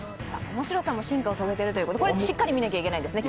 面白さも進化を遂げているということ、これは見なきゃいけないですね。